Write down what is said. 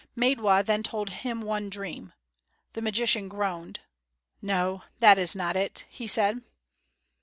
Maidwa then told him one dream. The magician groaned. "No, that is not it," he said.